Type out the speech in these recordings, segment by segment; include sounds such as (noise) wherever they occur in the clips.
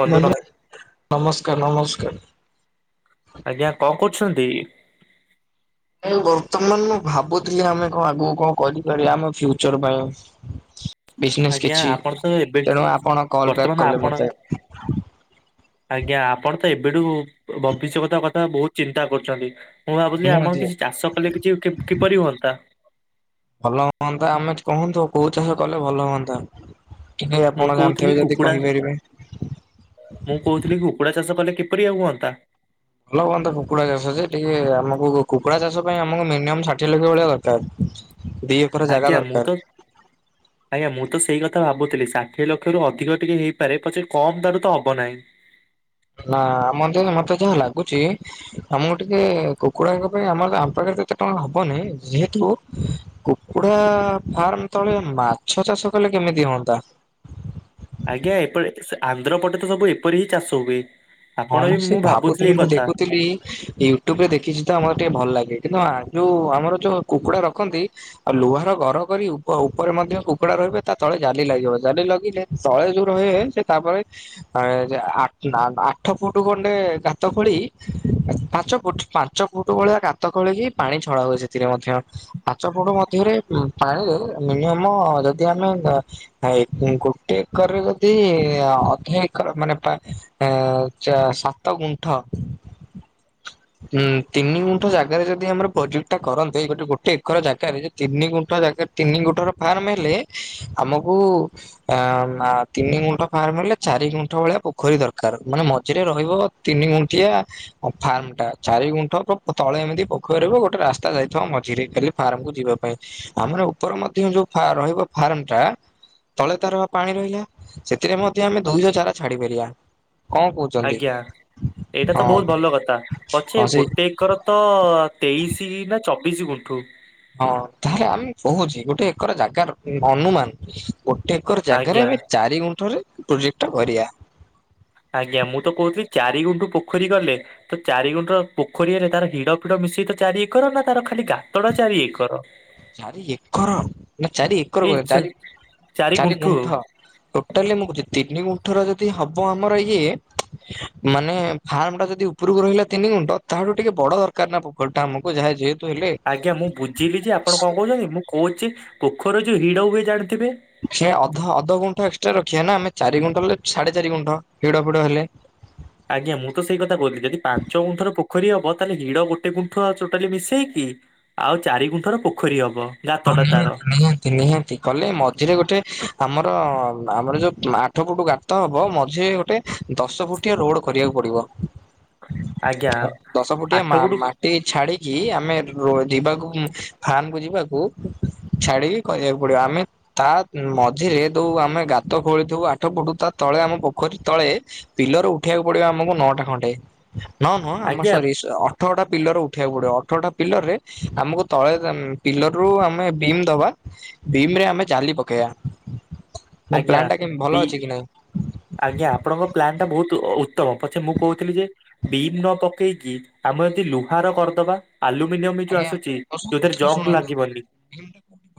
ବନ୍ଧୁ ନମ ବନି ନମସ୍କାର ନମସ୍କାର। ଆଜ୍ଞା କଣ କରୁଛନ୍ତି? ବର୍ତ୍ତମାନ ମୁଁ ଭାବୁଥିଲି ଆମେ କଣ ଆଗକୁ କଣ କରିପାରିବା ଆମ ଫ୍ୟୁଚର ପାଇଁ। ବିଜନେସ୍ ଆଜ୍ଞା କିଛି ଆପଣ ତ ଏବେଠୁ ତେଣୁ ଆପଣ କଲ୍ ବ୍ୟାକ୍ ବର୍ତ୍ତମାନ କଲେ ଆପଣ ମତେ। ଆଜ୍ଞା ଆପଣ ତ ଏବେଠୁ ଭବିଷ୍ୟତ କଥା ବହୁତ ଚିନ୍ତା କରୁଚନ୍ତି। ମୁଁ ଭାବୁଥିଲି ଆମର ନିହାତି। କିଛି ଚାଷ କଲେ କିଛିକି କିପରି ହୁଅନ୍ତା। ଭଲ ହୁଅନ୍ତା। ଆମେ କୁହନ୍ତୁ କୋଉ ଚାଷ କଲେ ଭଲ ହୁଅନ୍ତା। କିନ୍ତୁ ମୁଁ ଆପଣ କହୁଥିଲି ଜାଣିଥିବେ ଯଦି କୁକୁଡା କହିପାରିବେ। ମୁଁ କହୁଥିଲି କୁକୁଡ଼ା ଚାଷ କଲେ କିପରି ଆଉ ହୁଅନ୍ତା। ଭଲ ହୁଅନ୍ତା କୁକୁଡା ଚାଷ ଯେ। ଟିକେ ଆମକୁ କୁକୁଡ଼ା ଚାଷ ପାଇଁ ଆମକୁ ମିନିମମ୍ ଷାଠିଏ ଲକ୍ଷ ଭଳିଆ ଦରକାର। ଦି ଏକର ଜାଗା ଆଜ୍ଞା ମୁଁ ଦରକାର ତ ଆଜ୍ଞା ମୁଁ ତ ସେଇ କଥା ଭାବୁଥିଲି। ଷାଠିଏ ଲକ୍ଷରୁ ଅଧିକ ଟିକେ ହେଇପାରେ ପଛେ କମ ଠାରୁ ତ ହବ ନାହିଁ। ନା ଆମ ର ଯୋଉ ମତେ ଯାହା ଲାଗୁଚି ଆମକୁ ଟିକେ କୁକୁଡାଙ୍କ ପାଇଁ ଆମର ଆମ ପାଖରେ ଏତେ ଟଙ୍କା ହବନି ଯେହେତୁ କୁକୁଡ଼ା ଫାର୍ମ ତଳେ ମାଛ ଚାଷ କଲେ କେମିତି ହଅନ୍ତା। ଆଜ୍ଞା ଏପଟେ ସେ ଆନ୍ଧ୍ର ପଟେ ତ ସବୁ ଏପରି ହିଁ ଚାଷ ହୁଏ। ହଁ ଆପଣ ମୁଁ ବି ସେ ଭାବୁଥିଲି ଏଇ ମୁଁ କଥା ଦେଖୁଥିଲି ୟୁ ଟ୍ୟୁବ୍ ରେ ଦେଖିଛି ତ ଆମର ଟିକେ ଭଲ ଲାଗେ କିନ୍ତୁ ଆ, ଯୋଉ ଆମର ଯୋଉ କୁକୁଡ଼ା ରଖନ୍ତି ଆଉ ଲୁହାର ଘର କରି ଉପ ଉପରେ ମଧ୍ୟ କୁକୁଡା ରହିବେ ତା ତଳେ ଜାଲି ଲାଗିବ। ଜାଲି ଲାଗିଲେ ତଳେ ଯୋଉ ରହେ ସେ ତାପରେ ଆ, ଯେ ଆକ୍ଚୁ ଆ, ଆ ଠ ଫୁଟୁ ଖଣ୍ଡେ ଗାତ ଖୋଳି ପାଞ୍ଚ ଫୁଟ୍ ପାଞ୍ଚ ଫୁଟ୍ ଭଳିଆ ଗା ତ ଖୋଳିିକି ପାଣି ଛଡା ହୁଏ ସେଥିରେ ମଧ୍ୟ। ପାଞ୍ଚ ଫୁଟ ମଧ୍ୟରେ ଉଁ, ପାଣି ରେ ମିନିୟମ ଯଦି ଆମେ ଧା ହାଇ କୁଁ ଗୋଟେ ଏକରରେ ଯଦି ଅଧେ ଏକର ମାନେ ପା ଅ, ଚା ସାତ ଗୁଣ୍ଠ ହୁଁ, ତିନି ଗୁଣ୍ଠ ଜାଗାରେ ଯଦି ଆମର ପ୍ରୋଜେକ୍ଟ ଟା କରନ୍ତେ, ଏଇ ଗୋଟେ ଗୋଟେ ଏକର ଜାଗାରେ ତିନି ଗୁଣ୍ଠ ଜାଗାରେ, ତିନି ଗୁଣ୍ଠର ଫାର୍ମ ହେଲେ ଆମକୁ ଆ, ମା- ତିନି ଗୁଣ୍ଠ ଫାର୍ମ ହେଲେ ଚାରି ଗୁଣ୍ଠ ଭଳିଆ ପୋଖରୀ ଦରକାର। ମାନେ ମ ଝିରେ ରହିବ ତିନି ଗୁଣ୍ଠିଆ। ଆଉ ଫାର୍ମ ଟା ଚାରି ଗୁଣ୍ଠ ପ-ପ-ତଳେ ଏମିତି ପୋଖରୀରୁ ଗୋଟେ ରାସ୍ତା ଯାଇଥିବ ମଝିରେ, ହେଲେ ଫାର୍ମକୁୁ ଯିବା ପାଇଁ, ଆମର ଉପର ମଧ୍ଯ ଯୋଉ ଫା- ରହିବ ଫାର୍ମ ଟା ତଳେ ତାର ବା ପାଣି ରହିଲା ସେଥିରେ ମଧ୍ୟ ଆମେ ଦୁଇଶ ଚାରା ଛାଡି ପାରିବା, କଣ କହୁ ଆଜ୍ଞା ଏଇଟା ତ ବହୁତ ଭଲ କଥା ପଛେ ହଁ ସେଇ ଗୋଟେ ଏକର ତ ତେଇଶି ନା ଚବିଶି ଗୁଣ୍ଠୁ। ହଁ ତାହେଲେ ଆମେ କହୁଛି ଗୋଟେ ଏକର ଜାଗାର ଅନୁମାନ। ଗୋଟେ ଏକର ଜାଗାରେ ଆଜ୍ଞା ଆମେ ଚାରି ଗୁଣ୍ଠରେ ପ୍ରୋଜେକ୍ଟ ଟା କରିବା। ଆଜ୍ଞା ମୁଁ ତ କହୁଥିଲି ଚାରି ଗୁଣ୍ଠୁ ପୋଖରୀ ଗଲେ। ତ ଚାରି ଗୁଣ୍ଡର ପୋଖରୀରେ ତାର ହିଡ ଫିଡ ମିଶେଇ ତ ଚାରି ଏକର ନା ତାର ଖାଲି ଗାତ ଟା ଚାରି ଏକର? ଚାରି ଏକର ନା ଚାରି ଏକର ଏଇ କହେ, ଚା ଚାରି ଚାରି ଗୁଣ୍ଠ। ଟୋଟାଲି ମୁଁ କହୁଛି ତିନି ଗୁଣ୍ଠର ଯଦି ହବ ଆମର ଇଏ। ମାନେ ଫାର୍ମ ଟା ଯଦି ଉପରକୁ ରହିଲା ତିନି ଗୁଣ୍ଟ ତାହାଠୁ ଟିକେ ବଡ ଦରକାର ନା ପୁ (unintelligible) ଟା ଆମକୁ ଯାହା ଯେହେତୁ ହେଲେ ଆଜ୍ଞା ମୁଁ ବୁଝିଲି ଯେ ଆପଣ କଣ କହୁଛନ୍ତି, ମୁଁ କହୁଛି ପୋଖରୀ ରେ ଯୋଉ ହିଡ ହୁଏ ଜାଣିଥିବେ? ସେ ଅଧ ଅଧ ଗୁଣ୍ଠଏକ୍ସଟ୍ରା ରଖିବା ନା, ଆମେ ଚାରି ଗୁଣ୍ଠ ଲେ ସାଢେ ଚାରି ଗୁଣ୍ଠ ହିଡ ଫିଡ ହେଲେ। ଆଜ୍ଞା ମୁଁ ତ ସେଇ କଥା କହୁଥିଲି ଯଦି ପାଞ୍ଚ ଗୁଣ୍ଠର ପୋଖରୀ ହବ ତାହେଲେ ହିଡ ଗୋଟେ ଗୁଣ୍ଠ ଆଉ ଟୋଟାଲି ମିଶେଇକି। ଆଉ ଚାରି ଗୁଣ୍ଠ ର ପୋଖରୀ ହବ। ହଁ ଗାତଟା ତାର ନିଅନ୍ତି ନିଅ ତି ନିହାତି କଲେ ମଝିରେ ଗୋଟେ ଆମର ଆମର ଯୋଉ ଆଠ ଫୁଟୁ ଗା ତ ହବ ମଝିରେ ଗୋଟେ ଦଶ ଫୁଟିଆ ରୋଡ କରିବାକୁ ପଡିବ। ଆଜ୍ଞା ଓ ଦଶ ଫୁଟିଆ ଆଠ ମା- ଗୁଣ୍ଠୁ ମା ଟି କି ଛାଡିକି ଆମେ ରୋ-ଯିବାକୁ ଉଁ, ଫାର୍ମ କୁୁ ଯିବାକୁ ଛାଡିକି କରିବାକୁ ପଡିବ, ଆମେ ତା ଉଁ, ମଝିରେ ଯୋଉ ଆମେ ଗାତ ଖୋଳିଥିବୁ ଆଠ ଫୁଟୁ, ତା ତଳେ ଆମ ପୋଖରୀ ତଳେ ପିଲର ଉଠେଇବାକୁ ପଡିବ ଆମକୁ ନଅଟା ଖଣ୍ଟେ ନଅ ନୁହଁ ଆମ ଆଜ୍ଞା ସରି ସ- ଅ ଅଠରଟା ପିଲର ଉଠେଇବାକୁ ପଡିବ। ଅଠରଟା ପିଲର ରେ ଆମକୁ ତଳେ ଦେ-ଉଁ, ପିଲର ରୁ ଆମେ ବିମ୍ ଦବା ବିମ୍ ରେ ଆମେ ଜାଲି ପକେଇବା। ମୋ ଆଜ୍ଞା ପ୍ଲାନ୍ ଟା କେମିତି ବି ଭଲ ଅଛି କି ନାଇଁ? ଆଜ୍ଞା ଆପଣଙ୍କ ପ୍ଲାନ୍ ଟା ବହୁତ ଅ, ଉତ୍ତମ, ପଛେ ମୁଁ କହୁଥିଲି ଯେ ବିମ୍ ନ ପକେଇକି ଆମେ ଯଦି ଲୁହାର କରିଦବା? ଆଲୁମିନିୟମ ବି ଯୋଉ ଆଜ୍ଞା ଆସୁଛି ଯୋଉଥିରେ ଜଙ୍କ ଲାଗିବନି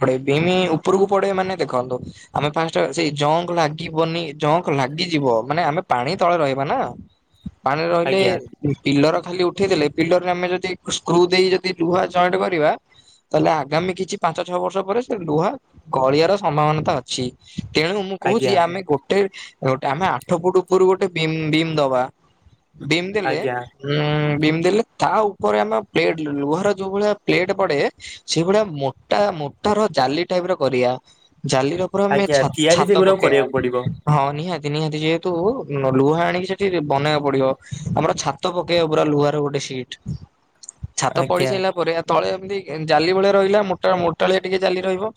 ପ ଭିମି ଉପରକୁ ପଡେ ମାନେ ଦେଖନ୍ତୁ ଆମେ ଫାଷ୍ଟ ସେଇ ଜଙ୍କ ଲାଗିବନି ଜଙ୍କ ଲାଗିଯିବ ମାନେ ଆମେ ପାଣି ତଳେ ରହିବା ନା ପାଣିରେ ରହିଲେ ଆଜ୍ଞା ପିଲର ଖାଲି ଉଠେଇ ଦେଲେ ପିଲରରେ ଆମେ ଯଦି ସ୍କୃ ଦେଇ ଲୁହା ଜଏଣ୍ଟ କରିବା ତାହେଲେ ଆଗାମୀ କିଛି ପାଞ୍ଚ ଛଅ ବର୍ଷ ପରେ ସେ ଲୁହା ଗଳିଆର ସମ୍ଭାବନାତା ଅଛି ତେଣୁ ମୁଁ କହୁଛି ଆଜ୍ଞା ଆମେ ଗୋଟେ ଗୋଟେ ଆମେ ଆଠ ଫୁଟ ଉପରୁ ଗୋଟେ ବିମ୍ ବିମ୍ ଦବା ବିମ୍ ଦେଲେ ଆଜ୍ଞା ହୁଁ ବିମ ଦେଲେ ତା ଉପରେ ଆମ ପ୍ଲେଟ୍ ଲୁହାର ଯୋଉ ଭଳିଆ ପ୍ଲେଟ୍ ପଡେ ସେଇଭଳିଆ ମୋଟା ମୋଟ ର ଜାଲି ଟାଇପ ର କରିବା ଜାଲିର ପୁରା ଆମେ ଆଜ୍ଞା ଛା ତିଆରି ଛାତ ସେଗୁଡାକୁ କରିବାକୁ ପକେଇ ପଡିବ ବା ହଁ ନିହାତି ନିହାତି ଯେହେତୁ ଲୁହା ଆଣିକି ସେଠି ବନେଇବାକୁ ପଡିବ ଆମର ଛାତ ତ ପକେଇବା ପୁରା ଲୁହର ଗୋଟେ ସିଟ୍ ଛାତ ପଡିି ଆଜ୍ଞା ସାରିଲ ପରେ ଆ ତଳେ ଏମିତି ଜାଲି ଭଳିଆ ରହିଲା ମୋଟା ମୋଟାଳିଆ ଟିକେ ଜାଲି ରହିବ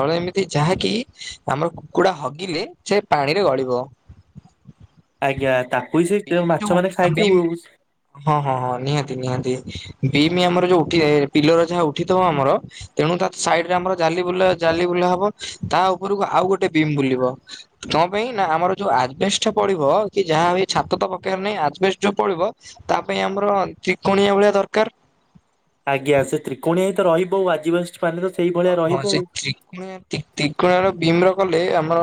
ତଳେ ଏମିତି ଯାହାକି ଆମର କୁକୁଡ଼ା ହଗିଲେ ସେ ପାଣିରେ ଗଳିବ ଆଜ୍ଞା ତାକୁ ହି ସେ ବିମ୍ ଯୋଉ ମାଛ ମାନେ ଖାଇକି ବିମ୍ ଉ ହଁ ହଁ ହଁ ନିହାତି ନିହାତି ବିମି ଆମର ଯୋଉ ଉଠି ପିଲର ଯାହା ଉଠିଥିବ ଆମର ତେଣୁ ତା ସାଇଡ ରେ ଆମର ଜାଲି ବୁଲା ଜାଲି ବୁଲା ହବ ତା ଉପରକୁ ଆଉ ଗୋଟେ ବିମ୍ ବୁଲିବ କଣ ପାଇଁ ନା ଆମର ଯୋଉ ଆଜ୍ ବେସ ଟା ପଡିବ କି ଯାହା ହ ଛାତ ତ ପକେଇବାର ନାହିଁ ଆଜବେଷ୍ଟ ଯୋଉ ପଡ଼ିବ ତା ପାଇଁ ଆମର ତ୍ରିକୋଣିଆ ଭଳିଆ ଦରକାର ଆଜ୍ଞା ସେ ତ୍ରିକୋଣଆ ହେଇ ତ ରହିବ ଆଉ ଆଜିିବାସ ମାନ ତ ସେଇଭଳିଆ ରହିବ ଆଉ ତ୍ରି କଣ ତ୍ରକୁୋଣ ର ବିମ ର କଲେ ଆମର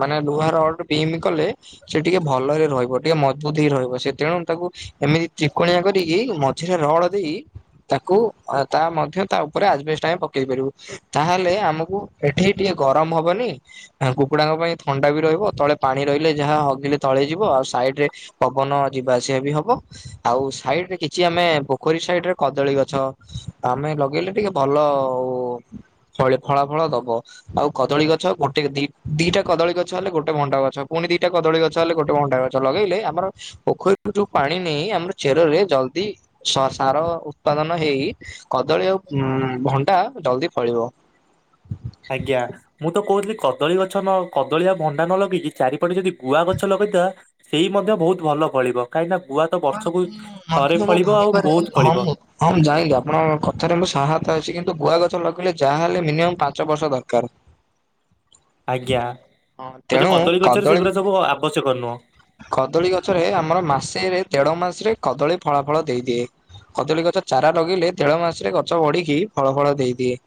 ମାନେ ଲୁହା ରଡ଼ ବିମ କଲେ ସେ ଟିକେ ଭଲରେ ରହିବ ଟିକେ ମଜବୁତ ହେଇ ରହିବ ସେ ତେଣୁ ତାକୁ ଏମିତି ତ୍ରିକୋଣଆ କରିକି ମଝିରେ ରଡ଼ ଦେଇ ତାକୁ ତା ମଧ୍ୟ ତା ଉପରେ ଆଜବେଷ୍ଟ ଆମେ ପକେଇ ପାରିବୁ ତାହେଲେ ଆମକୁ ଏଠି ଟିକେ ଗରମ ହବନି କୁକୁଡ଼ାଙ୍କ ପାଇଁ ଥଣ୍ଡା ବି ରହିବ ତଳେ ପାଣି ରହିଲେ ଯାହା ହଗିଲେ ତଳେ ଯିବ ଆଉ ସାଇଡ ରେ ପବନ ଯିବା ଆସିବା ବି ହବ ଆଉ ସାଇଡ ରେ କିଛି ଆମେ ପୋଖରୀ ସାଇଡରେ କଦଳୀ ଗଛ ଆମେ ଲଗେଇଲେ ଟିକେ ଭଲ ଭଲ ଆଉ ଫଳି ଫଳା ଫଳ ଦବ ଆଉ କଦଳୀ ଗଛ ଗୋଟେ ଦିଟା କଦଳୀ ଗଛ ହେଲେ ଗୋଟେ ଭଣ୍ଡା ଗଛ ପୁଣି ଦିଟା କଦଳୀ ଗଛ ହେଲେ ଗୋଟେ ଭଣ୍ଡା ଗଛ ଛ ଲଗେଇଲେ ଆମର ପୋଖରୀରୁ ଯୋଉ ପାଣି ନେଇ ଆମର ଚେରରେ ଜଲଦି ସାର ଉତ୍ପାଦନ ହେଇ କଦଳୀ ଆଉ ଉ ଭଣ୍ଡା ଜଲ୍ଦି ଫଳିବ ଆଜ୍ଞା ମୁଁ ତ କହୁଥିଲି କଦଳୀ ଗଛ ନ କଦଳୀ ବା ଭଣ୍ଡା ନ ଲଗେଇ କି ଚାରିପଟେ ଯଦି ଗୁଆ ଗଛ ଲଗେଇଦବା ସେଇ ମଧ୍ୟ ବହୁତ ଭଲ ଫଳିବ କାହିଁକି ନା ଗୁଆ ତ ବର୍ଷକୁ ମୁଁ ମଧ୍ୟ ଥରେ ମୁଁ ଫଳିବ ଆଉ ଭାବିପାରେ ବହୁତ ହଁ ଫଳିବ ମୁଁ ହଁ ମୁଁ ଜାଇଁଲି ଆପଣଙ୍କ କଥାରେ ମୁ ସାହାୟତା ଅଛି କିନ୍ତୁ ଗୁଆ ଗଛ ଲଗେଇଲେ ଯାହାହଲେ ମିନିମମ୍ ପାଞ୍ଚ ବର୍ଷ ଦରକାର (inaudible) ଆଜ୍ଞା ହଁ ଏଯ ତେଣୁ କଦଳୀ ଗଛରେ ସେଗୁଡା ସବୁ ଆବଶ୍ୟକ ନୁହଁ କଦଳୀ ଗଛରେ ଆମର ମାସେରେ ଦେଢ ମାସରେ କଦଳୀ ଫଳା ଫଳ ଦେଇଦିଏ କଦଳୀ ଗଛ ଚାରା ଲଗେଇିଲେ ଦେଢ ମାସରେ ଗଛ ବଢ଼ିକି ଫଳ ଫଳ ଦେଇଦିଏ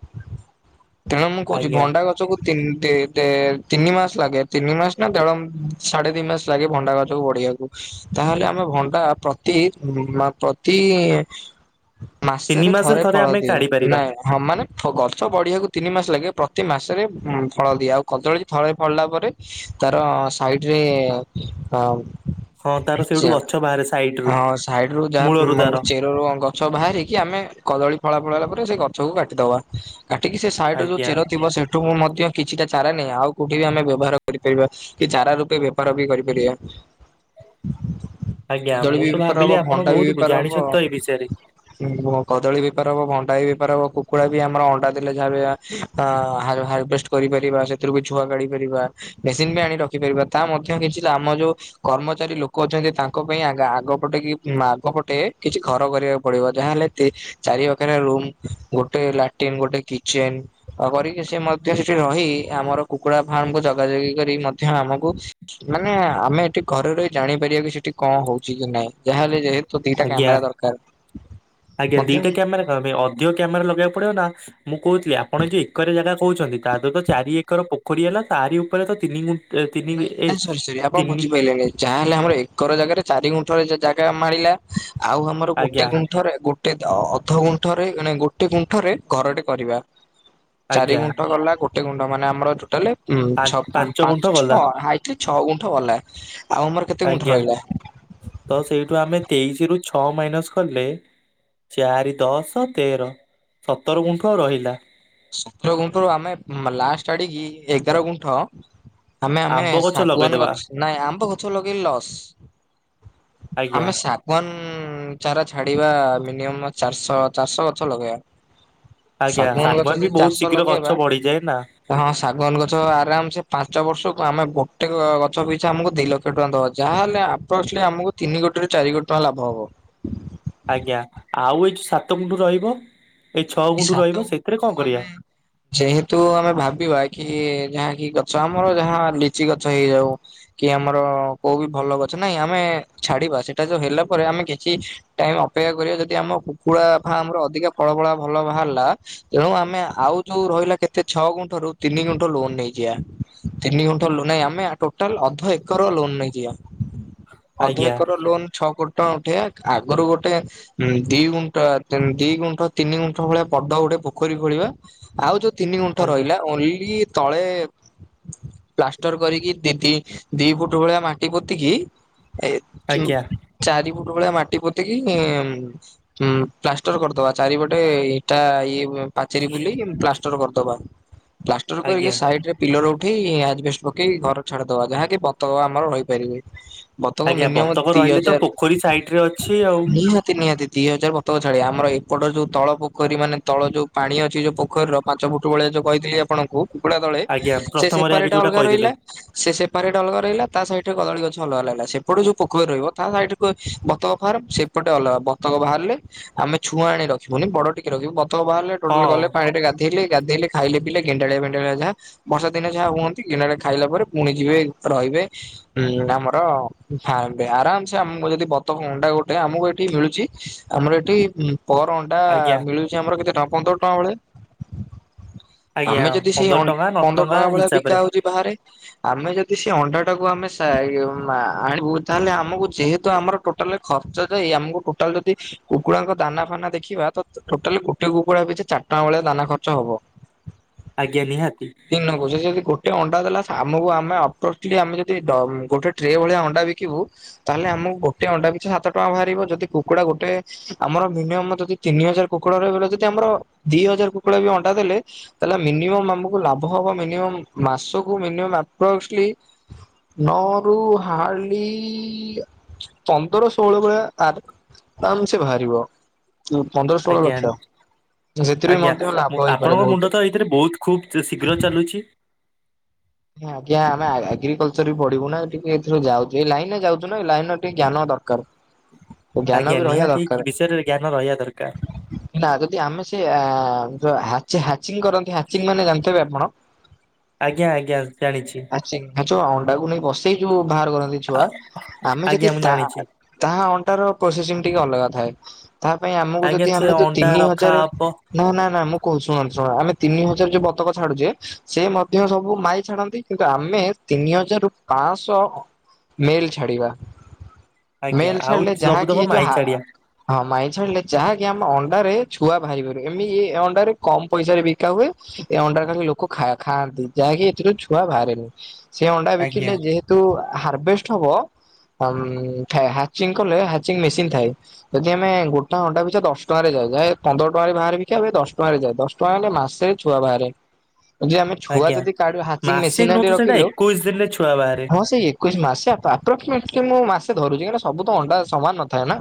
ତେଣ ମୁ କହୁଛି ଆଜ୍ଞା ଭଣ୍ଡାାଗଛ କୁ ତି ତି ତିନି ମାସ ଲାଗେ ତିନି ମାସ ନା ଦେଢ଼ ସାଢେ ତିନି ମାସ ଲାଗେ ଭଣ୍ଡାାଗଛ ଯୋଉ ବଢ଼ିବାକୁ ତାହେଲେ ଆମେ ଭଣ୍ଡା ପ୍ରତି ମା ପ୍ରତି ଇ ଇ ତିନି ମାସେରେ ମାସରେ ଥରେ ଫଳ ଆମେ ଦିଏ କାଢି ପାରିବା ନାଇଁମ। ହଁ ମାନେ ଗଛ ବଢ଼ିବାକୁ ତିନି ମାସ ଲାଗେ ପ୍ରତି ମାସରେ ଉଁ ଫଳ ଦିଏ ଆଉ କଦଳୀ ଥଳେ ଫଳିଲା ପରେ ତାର ସାଇଡ଼ରେ ଅଁ ଉଁ ହଁ ତାର ସେଇଠୁ ଗଛ ବାହାରେ ସାଇଡ ରୁ ହଁ ସାଇଡ଼ ରୁ ଯାହା ମୂଳରୁ ତାର ମଙ୍ଗ ଚେର ରୁ ଅଙ୍ଗ ଗଛ ବାହାରିକି ଆମେ କଦଳୀ ଫଳା ଫଳ ହେଲା ପରେ ସେ ଗଛକୁ କାଟିଦବା। କାଟିକି ସେ ସାଇଡ଼ ର ଯୋଉ ଆଜ୍ଞା ଚେର ଥିବ ସେଠୁ ମଧ୍ୟ କିଛିଟା ଚାରା ନେଇ ଆଉ କଉଠି ବି ଆମେ ବ୍ୟବହାର କରିପାରିବା କି ଚାରା ରୂପେ ବେପାର ବି କରିପାରିବା। ଆଜ୍ଞା କଦଳୀ ମୁଁ ବି ତ ବେପାର ଭାବିଲି ହବ ଆପଣ ଭଣ୍ଡା ବି ବହୁତ ବେପାର ଜାଣିଛନ୍ତି ତ ଏଇ ବିଷୟରେ ହବ। ଉଁ ନୁହଁ କଦଳୀ ବେପାର ହବ ଭଣ୍ଡା ବି ବେପାର ହବ କୁକୁଡ଼ା ବି ଆମର ଅଣ୍ଡା ଦେଲେ ଯାହା ବି ଆ ହା ହାର ହାରଭେଷ୍ଟ କରିପାରିବା ସେଥିରୁ ବି ଛୁଆ କାଢ଼ି ପାରିବା। ମେସିନ ବି ଆଣି ରଖି ପାରିବା ତା ମଧ୍ୟ କିଛି ଆମ ଯୋଉ କର୍ମଚାରୀ ଲୋକ ଅଛନ୍ତି ତାଙ୍କ ପାଇଁ ଆଗ ଆଗ ପଟେ କି ମାଗ ପଟେ କିଛି ଘର କରିବାକୁ ପଡ଼ିବ ଯାହା ହେଲେ ତି ଚାରି ବଖରା ରୁମ୍ ଗୋଟେ ଲାଟିନ୍ ଗୋଟେ କିଚେନ୍ ଅ କରିକି ସେ ମଧ୍ୟ ସେଠି ରହି ଆମର କୁକୁଡ଼ା ଫାର୍ମକୁ ଯଗାଯଗି କରି ମଧ୍ୟ ଆମକୁ ମାନେ ଆମେ ଏଠି ଘରେ ରହି ଜାଣିପାରିବା କି ସେଠି କଣ ହଉଚି କି ନାଇଁ ଯାହାହେଲେ ଯେହେ ତୁ ଦିଟା ଆଜ୍ଞା କ୍ୟାମେରା ଦରକାର ମଧ୍ୟମ୍ ଆମେ ଅଡ଼ିଓ କ୍ୟାମେରା ଲଗେଇବାକୁ ପଡ଼ିବ ନା ମୁଁ କହୁଥିଲି ଆପଣ ଯୋଉ ଏକରେ ଜାଗା କହୁଚନ୍ତି ତା ଦେହରୁ ତ ଚାରି ଏକର ପୋଖରୀ ହେଲା ତାରି ଉପରେ ତ ତିନି ଗୁନ୍ ନାଇଁ ନାଇଁ ସରି ସରି ଆପଣ ବୁଝି ପାଇଲେ ନାଇଁ। ଯାହାହେଲେ ଆମର ଏକର ଜାଗାରେ ଚାରି ଗୁଣ୍ଠରେ ଯଦ ଜାଗା ମାଡ଼ିଲା ଆଉ ଆମର ଆଜ୍ଞା ଗୋଟେ ଗୁଣ୍ଠ ଠରେ ଗୋଟେ ଅ ଅ ଅଧ ଗୁଣ୍ଠରେ ନାଇଁ ଗୋଟେ ଗୁଣ୍ଠରେ ଘରଟେ କରିବା। ଚାରି ଆଜ୍ଞା ଗୁଣ୍ଠ ଗଲା ଗୋଟେ ଗୁଣ୍ଠ ମାନେ ଆମର ଟୋଟାଲେ ଉଁ ପାଞ୍ଚ ଛଅ ଉଁ ପାଞ୍ଚ ପାଁ ଗୁଣ୍ଠ ଗଲା। ହାଇଟରେ ଛଅ ଗୁଣ୍ଠ ଗଲା ଆଉ ଆମର କେତେ ଗୁଣ୍ଠ ଆଜ୍ଞା ରହିଲା? ତ ସେଇଠୁ ଆମେ ତେଇଶି ରୁ ଛଅ ମାଇନସ୍ କଲେ ଚାରି, ଦଶ, ତେର, ସତର ଗୁଣ୍ଠ ରହିଲା। ସତର ଗୁଣ୍ଠରୁ ଆମେ ମା ଲାଷ୍ଟ ଆଡ଼ିକି ଏଗାର ଗୁଣ୍ଠ ଆମେ ଆମେ ଆମ୍ବ ଗଛ ଶାଗୁଆନ ଲଗେଇଦବା ଗଛ ନାଇଁ ଆମ୍ବ ଗଛ ଲଗେଇଲେ ଲସ୍। ଆଜ୍ଞା। ଆମେ ଶାଗୁଆନ ଚାରା ଛାଡ଼ିବା ମିନିୟମ୍ ଚାରଶ ଚାରିଶହ ଗଛ ଲଗେଇବା। ଆଜ୍ଞା ଶାଗୁଆନ ବି ବହୁତ ଚାରିଶ ଶୀଘ୍ର ଗଛ ଲଗେଇବା ବଢିଯାଏ ନା ହଁ ଶାଗୁଆନ ଗଛ ଆରାମସେ ପାଞ୍ଚ କୁ ବର୍ଷ ଆମେ ଗୋଟେ ଗଛ ପିଛା ଆମକୁ ଦି ଲ କ୍ଷ ଟଙ୍କା ଦବ ଯାହାହେଲେ ଆପ୍ରଷ୍ଟଲି ଆମକୁ ତିିନି କୋଟିରୁ ଚାରି କୋଟି ଟଙ୍କା ଲାଭ ହବ। ଆଜ୍ଞା ଆଉ ଏଇ ଯଉ ସାତ ଗୁଣ୍ଠୁ ରହିବ ଏଇ ଛଅ ଏଇ ଗୁଣ୍ଠୁ ସାତ ରହିବ ସେଥିରେ ଗୁଣ୍ଠରୁ କଣ କରିବା? ଆମେ ଯେହେତୁ ଆମେ ଭାବିବା କି ଯାହା କିି ଗଛ ଆମର ଯାହା ଲିଚି ଗଛ ହେଇଯାଉ କି ଆମର କୋଉ ବିି ଭଲ ଗଛ ନାଇଁ ଆମେ ଛାଡ଼ିବା ସେଟା ଯୋଉ ହେଲା ପରେ ଆମେ କିଛି ଟାଇମ୍ ଅପେକ୍ଷା କରିବା ଯଦି ଆମ କୁକୁଡ଼ା ଫାର୍ମର ଅଧିକା ଫଳ ଫଳା ଭଲ ବାହାରଲା ତେଣୁ ଆମେ ଆଉ ଯୋଉ ରହିଲା କେତେ ଛଅ ଗୁଣ୍ଠ ରୁ ତିନି ଗୁଣ୍ଠ ଲୋନ୍ ନେଇଯିବା। ତିନି ଗୁଣ୍ଠ ଲୋନ୍ ନାଇଁ ଆମେ ଟୋଟାଲ ଅଧ ଏକର ଲୋନ୍ ନେଇଯିବା। ଅଧ ଆଜ୍ଞା ଏକର ଲୋନ୍ ଛଅ କୋଟ ଟଁ ଉଠେଇବା ଆଗରୁ ଗୋଟେ ଦି ଗୁଣ୍ଠ ତିନ ଦି ଗୁଣ୍ଠ ତିନି ଗୁଣ୍ଠ ଭଳିଆ ବଡ଼ ଗୋଟେ ପୋଖରୀ ଖୋଳିବା ଆଉ ଯୋଉ ତିନି ଗୁଣ୍ଠ ଆଜ୍ଞା ରହିଲା ଓନ୍ଲି ତଳେ ପ୍ଲାଷ୍ଟର କରିକି ଦି-ଦି- ଦିଇ ଫୁଟ ଭଳିଆ ମାଟି ପୋତିକି ଏ ଉଁ ଆଜ୍ଞା ଚାରି ଫୁଟୁ ଭଳିଆ ମାଟି ପୋତିକି ଇଂ ହୁଁ ପ୍ଲାଷ୍ଟର କରିଦବା। ଚାରିପଟେ ଇଟା ଇଏ ପାଚେରୀ ବୁଲିକି ପ୍ଲାଷ୍ଟର କରିଦବା। ପ୍ଲାଷ୍ଟର କରିକି ଆଜ୍ଞା ସାଇଟ୍ ରେ ପିଲର ଉଠେଇକି ଆଜବେଷ୍ଟ ପକେଇ କି ଘର ଛାଡି ଦବା ଯାହାକି ବତକ ଆମର ରହିପାରିବେ। ବତକ ଆଜ୍ଞା ମିନିୟମ୍ ବତକ ଦି ରହିଲେ ତ ହଜାର ପୋଖରୀ ସାଇଡ ରେ ଅଛି ଆଉ। ନିହାତି ନିହାତି ଦିଇ ହଜାର ବ ତକ ଛାଡିବା ଆମର ଏପଟ ଯୋଉ ତଳ ପୋଖରୀ ମାନେ ତଳ ଯୋଉ ପାଣି ଅଛି ଯୋଉ ପୋଖରୀର ପାଞ୍ଚ ଫୁଟୁ ଭଳିଆ ଯୋଉ କହିଥିଲି ଆପଣଙ୍କୁ କୁକୁଡା ତଳେ ଆଜ୍ଞା ସେ ପ୍ରଥମରେ ଆଗେ ସେପାରେଟ୍ ଯୋଉଟା ଅଲଗା କହିଥିଲେ ରହିଲା। ସେ ସେପାରେଟ୍ ଅଲଗା ରହିଲ ତା ସାଇଟ୍ ରେ କଦଳୀ ଗଛ ଅଲଗା ଲାଗିଲା। ସେପଟ ଯୋଉ ପୋଖରୀ ରହିବ ତା ସାଇଟ୍ କୁ ବତକ ଫାର୍ମ ସେ ପଟେ ଅଲଗା ବତକ ବାହାରିଲେ ଆମେ ଛୁଆ ଆଣି ରଖିବୁନି ବଡ ଟିକେ ରଖିବୁ। ବତକ ବାହାରିଲେ ହଁ ଟୋଟାଲ ଗଲେ ପାଣିରେ ଗା ଧେଇଲେ ଗାଧେଇଲେ ଖାଇଲେ ପିଲଲେ ଗେଣ୍ଡାଳିଆ ଫେଣ୍ଡାଳିଆ ଯାହା ବର୍ଷା ଦିନେ ଯାହା ହୁଅନ୍ତି ଗେଣ୍ଡାଳିଆ ଖାଇଲା ପରେ ଫୁଣି ଯିବେ ରହିବେ। ଉଁ ଆମର ଫା ଆରାମସେ ଆମକୁ ଯଦି ବତକ ଅଣ୍ଡା ଗୋଟେ ଆମକୁ ଏଠି ମିଳୁଚି ଆମର ଏଠି ପର୍ ଅଣ୍ଡା ଆଜ୍ଞା ମିଳୁଚି ଆମର କେତେ ଟଙ୍କା ପନ୍ଦର ଟଙ୍କା ଭଳିଆ। ଆଜ୍ଞା ଆମେ ଯଦି ସେଇ ପନ୍ଦର ଅଂ ଟଙ୍କା ନଅ ପନ୍ଦର ଟଙ୍କା ଭେଳିଆ ବିକା ହିସାବରେ ହୋଉଚି ବାହାରେ ଆମେ ଯଦି ସେ ଅଣ୍ଡାଟାକୁ ଆମେ ସାଇ ଉ ମା ଆଣିବୁ ତାହେଲେ ଆମକୁ ଯେହେତୁ ଆମର ଟୋ ଟାଲ ଖର୍ଚ ଯାଇ ଆମକୁ ଟୋଟାଲେ ଯଦି କୁକୁଡାଙ୍କ ଦାନା ଫାନା ଦେଖିବା ତ ଟୋଟାଲି ଗୋଟେ କୁକୁଡା ପିଛେ ଚାରି ଟଙ୍କା ଭଳିଆ ଦାନା ଖର୍ଚ୍ଚ ହବ। ଆଜ୍ଞା ନିହାତି। ଦିନକୁ ଯଦି ଏମିତି ଗୋଟେ ଅଣ୍ଡା ଦେଲା ଆମକୁ ଆମେ (unintelligible) ଆମେ ଯଦି ଡ ଗୋଟେ ଟ୍ରେ ଭଳିଆ ଅଣ୍ଡା ବିକିବୁ ତାହେଲେ ଆମକୁ ଗୋଟେ ଅଣ୍ଡା ପିଛା ସାତ ଟଙ୍କା ବାହାରିବ। ଯଦି କୁକୁଡା ଗୋଟେ ଆମର ମିନିମମ୍ ଯଦି ତିନି ହଜାର କୁକୁଡା ରହିଗଲା ଯଦି ଆମର ଦିଇ ହଜାର କୁକୁଡା ବି ଅଣ୍ଡା ଦେଲେ ତାହାଲେ ମିନିମମ୍ ଆମକୁ ଲାଭ ହବ ମିନିମମ୍ ମାସକୁ ମିନିୟମ ଆପ୍ରୋଜଲି ନରୁ ହାଡଲି ପନ୍ଦର ଷୋହଳ ଭଳିଆ (unintelligible) ଆରମସେ ବାହାରିବ। ପନ୍ଦର ଷୋହଳ ଆଜ୍ଞା ଲକ୍ଷ ସେଥିରୁ ବି ମଧ୍ୟ ଲାଭ ହେଇପାରେ ବୋହୁତ। ଏଥିରେ ବୋହୁତ ଖୁବ୍ ଶି-ଶୀଘ୍ର ଚାଲୁଛି। ଆଜ୍ଞା ଆମେ ଆ-ଆଗ୍ରିକଲଚର ବି ପଢିବୁ ନା ଟିକେ ଏଥିରୁ ଯାଉଚି ଏଇ ଲାଇନ୍ ରେ ଯାଉଚୁ ନା ଏଇ ଲାଇନ୍ ରେ ଟିକେ ଜ୍ଞାନ ଦରକାର। (inaudible) ଆଜ୍ଞା ବି ରହିବା ନିହାତି ଦରକାର କି ବିଷୟରେ ଜ୍ଞାନ ରହିବା ଦରକାର। ନାଁ ଯଦି ଆମେ ସେ ଆ ବ (unintelligible) ହାଚିଂ ହାଚିଂ କରନ୍ତି ହାଚିଂ ମାନେ ଜାଣିଥିବେ ଆପଣ? ଆଜ୍ଞା ଆଜ୍ଞା ଜାଣିଛି। ହାଚିଂ ହାଚ (unintelligible) ଅଣ୍ଡାକୁ ନେଇ ବସେଇକି ଯୋଉ ବାହାର କରନ୍ତି ଛୁଆ। ଆଉ ଆମେ ଆଜ୍ଞା ଯଦି ମୁଁ ତା ଜାଣିଛି ତାହା ଅଣ୍ଡାର ପ୍ରୋସେସିଙ୍ଗ ଟିକେ ଅଲଗା ଥାଏ। ତାହା ପାଇଁ ଆମକୁ ଆଜ୍ଞା ଯଦି ସେ ଆମେ ଯୋଉ ଅଣ୍ଡା ତିନି ରଖା ହଜାର ହବ ନାଁ ନାଁ ନାଁ ମୁଁ କହୁଚି ଶୁଣନ୍ତୁ ଶୁଣ ଆମେ ତିନି ହଜାର ଯୋଉ ବତକ ଛାଡୁଚେ ସେ ମଧ୍ୟ ସବୁ ମାଇ ଛାଡନ୍ତି କିନ୍ତୁ ଆମେ ତିନି ହଜାରରୁ ପାଂଶ‌ଅ ମେଲ୍ ଛାଡିବା ଆଜ୍ଞା ମେଲ୍ ଆଉ ଛାଡିଲେ ଯାହାକି ସବୁତକ ଏ ଯୋଉ ହା ମାଇଚାଡିଆ ହଁ ମାଇ ଛାଡିଲେ ଯାହାକି ଆମେ ଅଣ୍ଡାରେ ଛୁଆ ବାହାରିିବନି ଏମି ଏ ଅଣ୍ଡାରେ କମ୍ ପଇସାରେ ବିକା ହୁଏ। ଏ ଅଣ୍ଡାଟାରେ ଲୋକ ଖା-ଖାଆନ୍ତି ଯାହାକି ଏଥିରୁ ଛୁଆ ବାହାରେନି ସେ ଅଣ୍ଡା ଆଜ୍ଞା ବିକିଲେ ଯେ ହେତୁ ହାରଭେଷ୍ଟ ହବ ଉଁମ୍ ଥା ହାଚିଂ କଲେ ହାଚିଂ ମେସିନ୍ ଥାଏ। ଯଦି ଆମେ ଗୋଟା ଅଣ୍ଡା ପିଛା ଦଶ ଟଙ୍କାରେ ଯାଏ, ଯାଏ ପନ୍ଦର ଟଙ୍କାରେ ବାହାରେ ବିକେ ଏବେ ଦଶ ଟଙ୍କାରେ ଯାଏ। ଦଶ ଛୁଆ ହେଲା ମାସେରେ ଛୁଆ ବାହାରେ ଯଦି ଆମେ ଛୁଆ ଆଜ୍ଞା ଯଦି ତାଡୁ ହାଚିଂ ମାସେ ମେସିନ୍ ନୁହଁ ଆଣି ତ ସେଇଟା ରଖିଲୁ ଏକୋଇଶି ଦିନରେ ଛୁଆ ବାହାରେ ହଁ ସେଇ ଏ କୁଛ୍ ମାସେ ଆପ୍ ଆପ୍ପ୍ରୋକ୍ସିମେଟଲୀ ମୁଁ ମାସେ ଧରୁଚି କାଇଁନା ସବୁ ତ ଅଣ୍ଡା ସମାନ ନଥାଏ ନାଁ।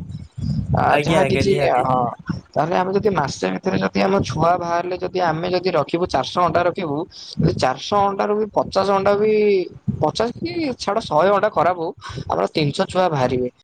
ଆ ଆଜ୍ଞା ଯାହା ଆଜ୍ଞା କିଛି ନିହାତି ଆହଁ। ତାହେଲେ ଆମେ ଯଦି ମାସେ ଭିତରେ ଯଦି ଆମ ଛୁଆ ବାହାରିଲେ ଯଦି ଆମେ ଯଦି ରଖିବୁ ଚାର୍ ଶ ଅଣ୍ଡା ରଖିବୁ ଚାର୍ ଶ ଅଣ୍ଡାରୁ ବି ପଚାଶ ଅଣ୍ଡା ବି ପଚାଶ କି ଛାଡ ଶହେ ଅଣ୍ଡା ଖରାପ ହଉ ଆମର ତିନ୍‌ଶ ଛୁଆ ବାହାରିବେ।